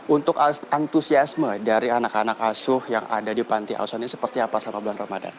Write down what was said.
untuk antusiasme dari anak anak asuh yang ada di panti ausan ini seperti apa selama bulan ramadan